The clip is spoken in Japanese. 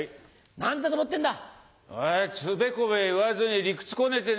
何時だと思ってんだ！